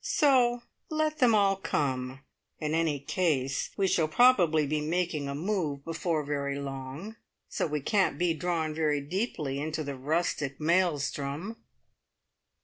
So! let them all come. In any case, we shall probably be making a move before very long, so we can't be drawn very deeply into the rustic maelstrom!"